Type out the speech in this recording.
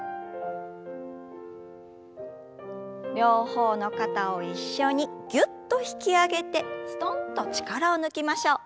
両方の肩を一緒にぎゅっと引き上げてすとんと力を抜きましょう。